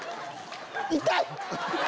痛い！